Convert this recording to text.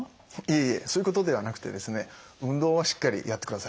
いえいえそういうことではなくて運動はしっかりやってください。